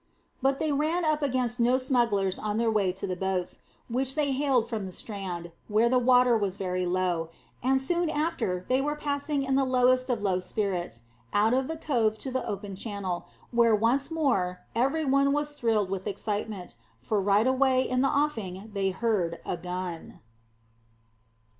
But they ran up against no smugglers on their way to the boats, which they hailed from the strand, where the water was very low; and soon after they were passing in the lowest of low spirits, out of the cove to the open channel, when once more every one was thrilled with excitement, for right away in the offing they heard a gun.